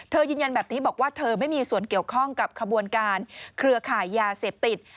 ยืนยันแบบนี้บอกว่าเธอไม่มีส่วนเกี่ยวข้องกับขบวนการเครือข่ายยาเสพติด